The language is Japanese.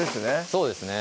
そうですね